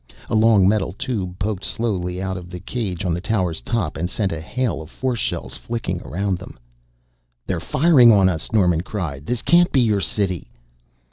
A long metal tube poked slowly out of the cage on the tower's top and sent a hail of force shells flicking around them. "They're firing on us!" Norman cried. "This can't be your city!"